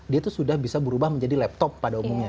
dia tuh sudah bisa berubah menjadi laptop pada umumnya